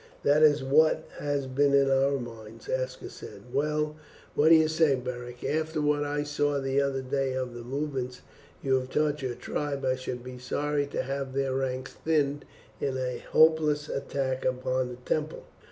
"That is what has been in our minds," Aska said. "Well, what do you say, Beric? After what I saw the other day of the movements you have taught your tribe I should be sorry to have their ranks thinned in a hopeless attack upon the temple.